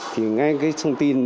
thì ngay cái thông tin